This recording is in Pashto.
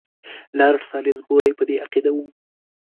لارډ سالیزبوري په دې عقیده وو.